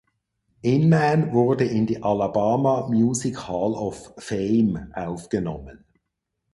Inman wurde in die "Alabama Music Hall of Fame" aufgenommen.